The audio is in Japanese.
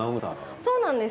そうなんです。